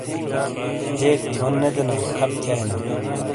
جیک تھیون نے دینا خپ تھیائینا ۔